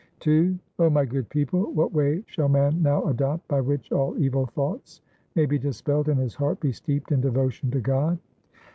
II O my good people, what way shall man now adopt By which all evil thoughts may be dispelled and his heart be steeped in devotion to God.